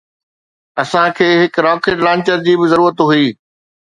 اسان کي هڪ راڪيٽ لانچر جي به ضرورت هئي